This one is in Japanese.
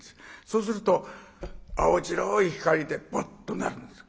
そうすると青白い光でボッとなるんです。